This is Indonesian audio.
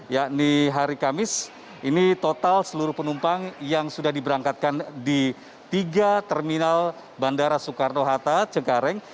yakni hari kamis ini total seluruh penumpang yang sudah diberangkatkan di tiga terminal bandara soekarno hatta cekareng